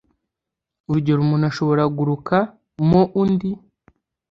urugero umuntu ashobora guruka mo undi,